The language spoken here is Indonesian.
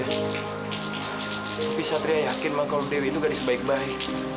tapi satria yakin bang kalau dewi itu gadis baik